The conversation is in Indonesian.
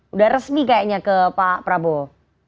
udah resmi kayaknya ke pak prabowo